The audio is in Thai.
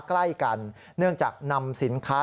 ใกล้กันเนื่องจากนำสินค้า